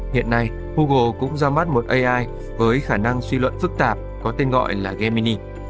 hiện nay google cũng ra mắt một ai với khả năng suy luận phức tạp có tên gọi là gamini